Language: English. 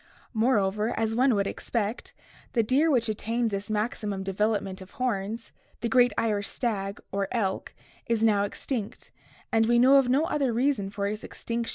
Moreover, as one would expect, the deer which attained the maxi mum development of horns, the great Irish stag or "elk," is now extinct, and we know of no other reason for its extinction than the A B C D E F Fig.